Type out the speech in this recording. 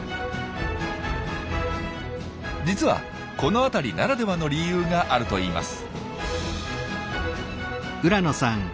実はこの辺りならではの理由があるといいます。